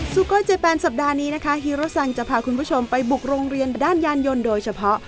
โก้ยเจแปนสัปดาห์นี้นะคะฮีโรสังจะพาคุณผู้ชมไปบุกโรงเรียนด้านยานยนต์โดยเฉพาะ